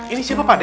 ini siapa pak d